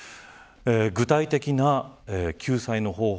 具体的な救済の方法